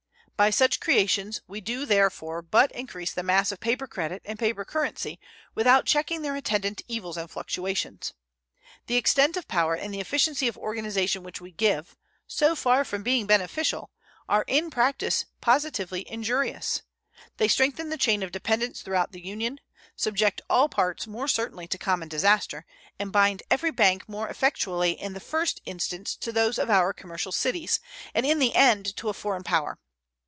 By such creations we do, therefore, but increase the mass of paper credit and paper currency, without checking their attendant evils and fluctuations. The extent of power and the efficiency of organization which we give, so far from being beneficial, are in practice positively injurious. They strengthen the chain of dependence throughout the Union, subject all parts more certainly to common disaster, and bind every bank more effectually in the first instance to those of our commercial cities, and in the end to a foreign power.